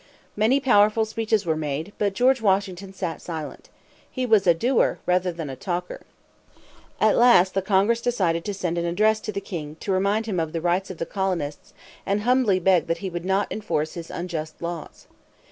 Many powerful speeches were made, but George Washington sat silent. He was a doer rather than a talker. At last the Congress decided to send an address to the king to remind him of the rights of the colonists, and humbly beg that he would not enforce his unjust laws.